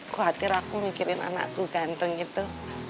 khawatir aku mikirin anak ku ganteng gitu